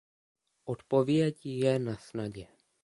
Odpověď je nasnadě.